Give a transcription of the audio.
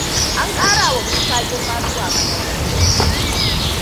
An karawa Musa girma zuwa manaja.